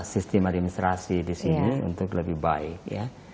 sistem administrasi di sini untuk lebih baik ya